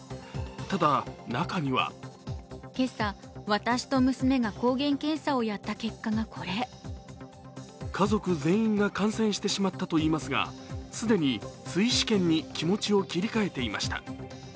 ただ、中には家族全員が感染してしまったといいますが、既に追試験に気持ちを切り替えていました。